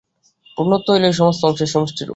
পূর্ণত্ব হইল এই সমস্ত অংশের সমষ্টিরূপ।